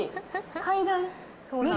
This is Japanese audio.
階段。